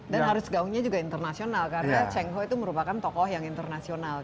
dan harus gaungnya juga internasional karena cenggo itu merupakan tokoh yang internasional